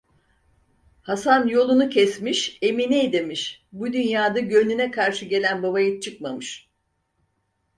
Haşan yolunu kesmiş: "Emine!" demiş, "Bu dünyada gönlüne karşı gelen babayiğit çıkmamış."